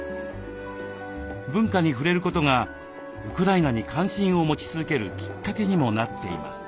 文化に触れることがウクライナに関心を持ち続けるきっかけにもなっています。